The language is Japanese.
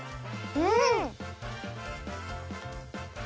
うん！